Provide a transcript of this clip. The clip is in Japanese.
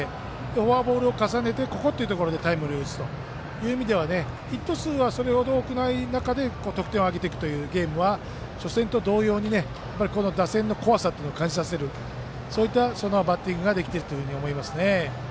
フォアボールを重ねてここっていうところでタイムリーを打つというところでヒット数はそれほど多くない中で得点を挙げていくというゲームは初戦と同様に、打線の怖さっていうのを感じさせるそういったバッティングができていると思いますね。